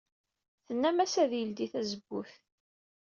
Tennam-as ad yeldey tazewwut.